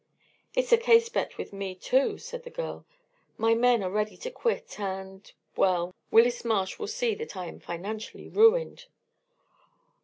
"It's a case bet with me, too," said the girl. "My men are ready to quit, and well, Willis Marsh will see that I am financially ruined!"